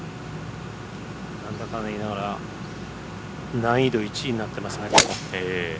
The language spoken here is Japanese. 何だかんだ言いながら難易度１位になってますね。